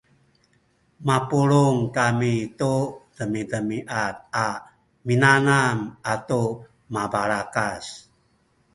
mapulung kami tu demidemiad a minanam atu mabalakas